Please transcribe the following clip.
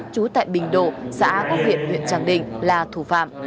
chú tại bình độ xã quốc viện huyện tràng đình là thủ phạm